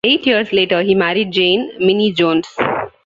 Eight years later he married Jane "Minnie" Jones.